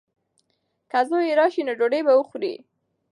که زوی یې راشي نو ډوډۍ به وخوري.